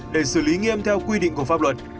để xử lý nghiêm theo quy định của pháp luật